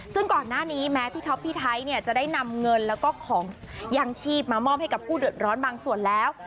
ซึ่งก่อนหน้านี้แม้พี่ท็อปพี่ไทยเนี่ยจะได้นำเงินแล้วก็ของยางชีพมามอบให้กับผู้เดือดร้อนบางส่วนแล้ว